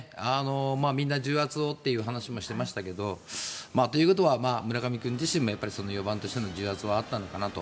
みんな重圧をという話をしてましたけどということは村上君自身も４番としての重圧はあったのかなと。